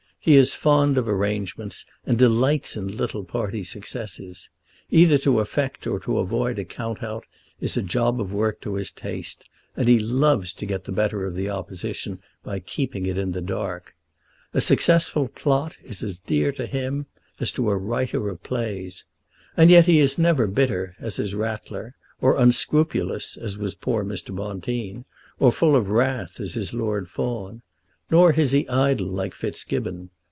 He is fond of arrangements, and delights in little party successes. Either to effect or to avoid a count out is a job of work to his taste, and he loves to get the better of the Opposition by keeping it in the dark. A successful plot is as dear to him as to a writer of plays. And yet he is never bitter as is Ratler, or unscrupulous as was poor Mr. Bonteen, or full of wrath as is Lord Fawn. Nor is he idle like Fitzgibbon.